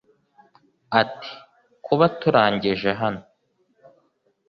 Ati “Kuba turangije hano